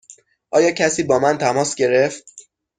آیا کسی با من تماس گرفت؟